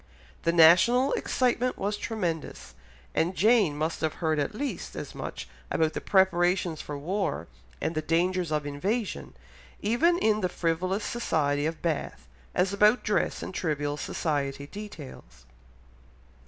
The national excitement was tremendous, and Jane must have heard at least as much about the preparations for war, and the dangers of invasion, even in the frivolous society of Bath, as about dress and trivial society details.